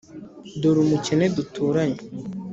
Dore umukene duturanye